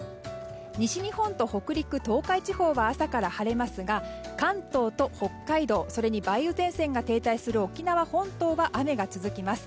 西日本と北陸・東海地方は朝から晴れますが関東と北海道それに梅雨前線が停滞する沖縄本島は雨が続きます。